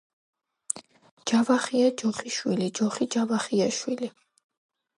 ჯავახია ჯოხიშვილი ჯოხი ჯავახიაშვილი.